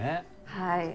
はい。